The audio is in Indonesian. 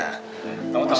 tengok tengok jelas ya